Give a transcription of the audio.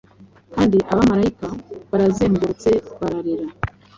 Kandi Abamarayika barazengurutse bararira,